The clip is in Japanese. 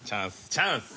チャンス！